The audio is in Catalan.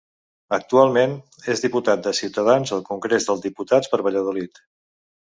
Actualment, és Diputat de Ciutadans al Congrés dels Diputats per Valladolid.